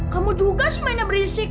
kamu juga sih mainnya berisik